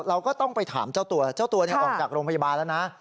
เราก็ต้องไปถามเจ้าตัวเจ้าตัวออกจากโรงพยาบาลแล้วนะ